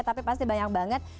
tapi pasti banyak banget